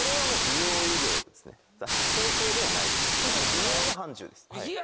美容の範疇です。